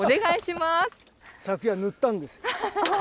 昨夜、塗ったんです。